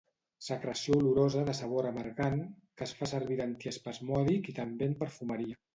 Secreció olorosa de sabor amargant que es fa servir d'antiespasmòdic i també en perfumeria.